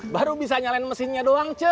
baru bisa nyalain mesinnya doang